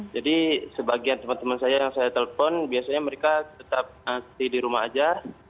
jadi sebagian teman teman saya yang saya telepon biasanya mereka tetap di rumah saja